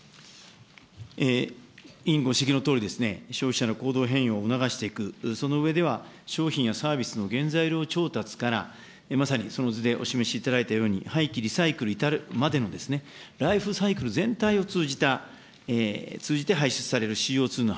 委員ご指摘のとおりですね、消費者の行動変容を促していく、その上では商品やサービスの原材料調達からまさにその図でお示しいただいたように、廃棄リサイクルに至るまでのライフサイクル全体を通じた、通じて排出される二酸化炭素